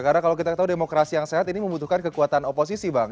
karena kalau kita tahu demokrasi yang sehat ini membutuhkan kekuatan oposisi bang